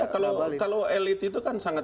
kalau elit itu kan sangat